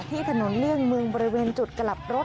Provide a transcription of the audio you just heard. ถนนเลี่ยงเมืองบริเวณจุดกลับรถ